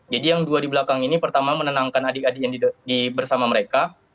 jadi yang dua di belakang ini pertama menenangkan adik adik yang bersama mereka